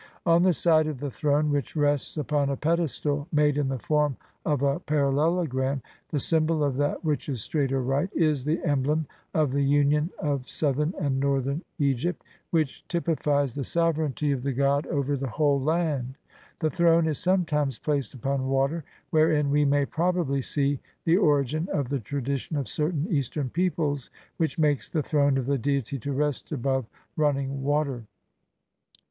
On the side of the throne (which rests upon a pedestal made in the form of /—>, the sym bol of that which is straight or right,) is the emblem of the union of Southern and Northern Egypt, which typifies the sovereignty of the god over the whole land ; the throne is sometimes placed upon water, wherein we may probably see the origin of the tra dition of certain Eastern peoples which makes the throne of the Deity to rest above running water.